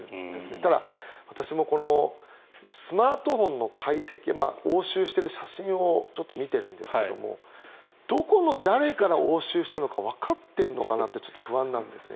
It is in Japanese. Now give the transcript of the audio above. ただ、私もこのスマートフォンの解析押収している写真を見ているんですけどもどこの誰から押収したのかわかっているのかなって不安なんですよね。